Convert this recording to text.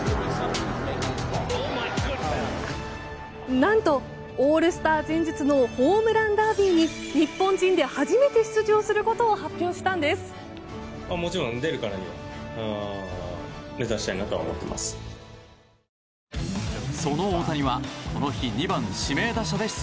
何とオールスターの前日のホームランダービーに日本人で初めて出場することを発表したんです。